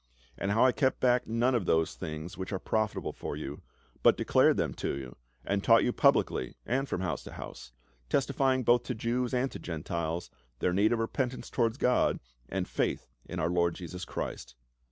And how I kept back none of those things which are profitable for you, but declared them to you, and taught you publicly and from house to house ; testifying both to Jews and Gentiles their need of repentance towards God and faith in our Lord Jesus Christ.